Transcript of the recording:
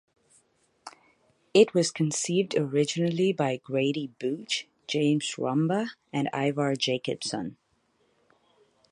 It was conceived originally by Grady Booch, James Rumbaugh, and Ivar Jacobson.